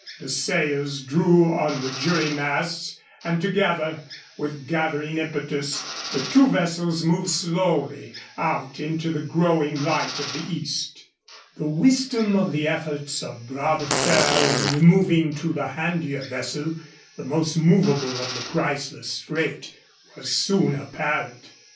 The sails drew on the jury masts, and together, with gathering impetus, the two vessels moved slowly out into the growing light of the East. The wisdom of the efforts of Bras de Fer in removing to the handier vessel the most movable of the priceless freight was soon apparent.